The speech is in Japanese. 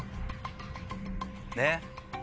ねっ。